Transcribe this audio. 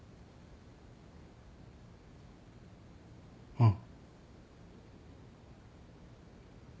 うん。